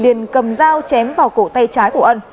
điền cầm dao chém vào cổ tay trái của ân